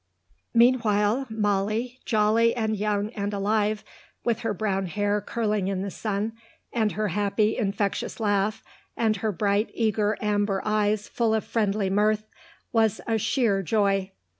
Meanwhile Molly, jolly and young and alive, with her brown hair curling in the sun, and her happy infectious laugh and her bright, eager, amber eyes full of friendly mirth, was a sheer joy.